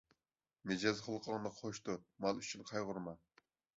مىجەز خۇلقۇڭنى خوش تۇت، مال ئۈچۈن قايغۇرما.